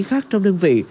khác trong đơn vị